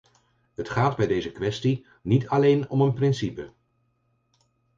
Het gaat bij deze kwestie niet alleen om een principe.